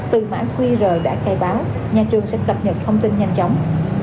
từ mã qr đã khai báo nhà trường sẽ cập nhật thông tin nhanh chóng